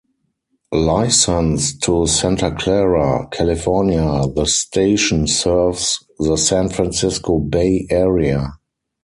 Licensed to Santa Clara, California, the station serves the San Francisco Bay Area.